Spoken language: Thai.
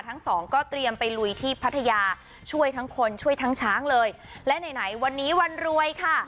ทั้งสองก็เตรียมไปลุยที่พัทยาช่วยทั้งคนช่วยทั้งช้างเลยและไหนไหนวันนี้วันรวยค่ะ